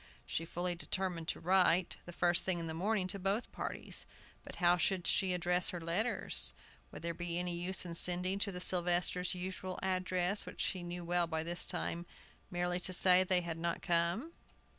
She fully determined to write, the first thing in the morning, to both parties. But how should she address her letters? Would there be any use in sending to the Sylvesters' usual address, which she knew well by this time, merely to say they had not come?